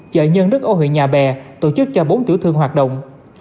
chợ nhân đức ở huyện nhà bè tổ chức cho bốn tiểu thương hoạt động